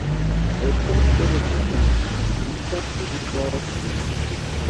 alicheza kidogo kisha akatimka kurudi kwao argentina